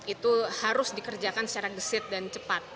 itu harus dikerjakan secara gesit dan cepat